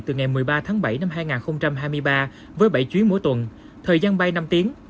từ ngày một mươi ba tháng bảy năm hai nghìn hai mươi ba với bảy chuyến mỗi tuần thời gian bay năm tiếng